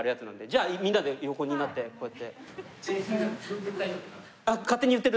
じゃあみんなで横になってこうやって。